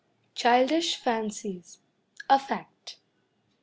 CHILDISH FANCIES. (A FACT.)